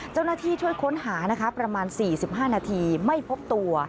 เจ้าหน้าที่ช่วยค้นหานะคะประมาณ๔๕นาทีไม่พบตัว